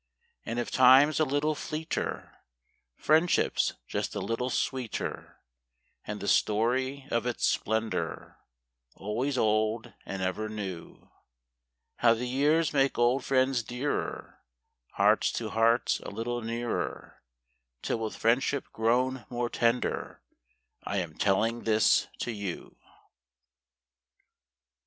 y\AJD if time's a little / V fleeter, friendship s just a little sxx>eeter, And the storp o" its splendor AlvOaps old and eVer neu); Hovc> the pears make old friends dearet~, Hearts to hearts a little nearer Till voith friendship pro>xm more tender I am tellina this to ou.